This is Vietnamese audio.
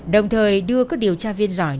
đồng thời đưa các điều tra viên giỏi